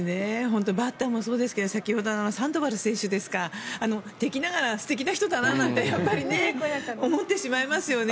バッターもそうですが先ほどのサンドバル選手ですか敵ながら素敵な人だななんて思ってしまいますね。